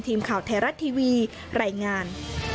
ทีมข่าวไทยรัตน์ทีวีไหล่งาน